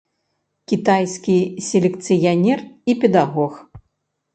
Кітайскі селекцыянер і педагог.